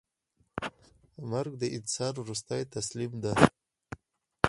مرګ د انسان وروستۍ تسلیم ده.